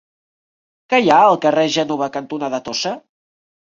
Què hi ha al carrer Gènova cantonada Tossa?